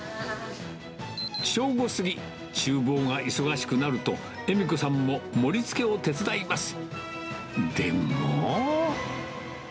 正午過ぎ、ちゅう房が忙しくなると、恵美子さんも盛りつけを手伝います。